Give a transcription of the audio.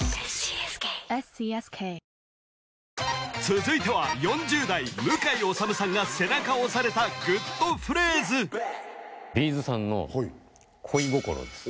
続いては４０代向井理さんが背中を押されたグッとフレーズＢ’ｚさんの「恋心」です